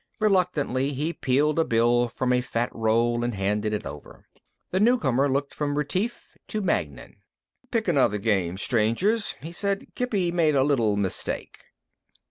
Reluctantly he peeled a bill from a fat roll and handed it over. The newcomer looked from Retief to Magnan. "Pick another game, strangers," he said. "Kippy made a little mistake."